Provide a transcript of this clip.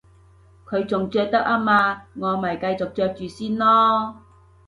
佢仲着得吖嘛，我咪繼續着住先囉